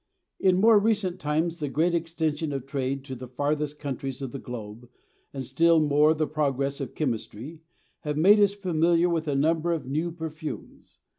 In more recent times the great extension of trade to the farthest countries of the globe, and still more the progress of chemistry, have made us familiar with a number of new perfumes.